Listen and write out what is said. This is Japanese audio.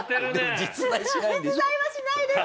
実在はしないです！